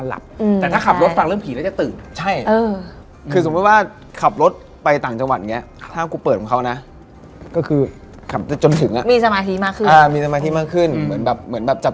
ลำคานะอีกคนที่มันพูดมาก